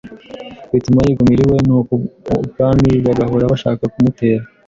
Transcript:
bituma yigumira iwe. Nuko ibwami bagahora bashaka kumutera,